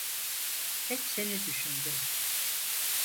Hep seni düşündüm.